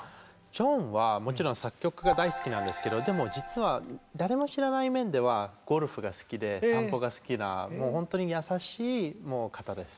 ジョンはもちろん作曲が大好きなんですけどでも実は誰も知らない面ではゴルフが好きで散歩が好きなもう本当に優しい方です。